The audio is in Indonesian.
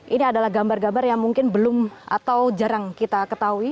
ini adalah gambar gambar yang mungkin belum atau jarang kita ketahui